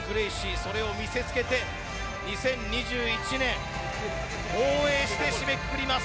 それを見せつけて２０２１年、防衛して締めくくります。